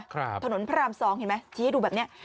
ครับถนนพระราม๒เห็นไหมชี้ให้ดูแบบนี้